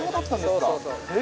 そうそうそう。